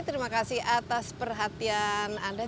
terima kasih atas perhatian anda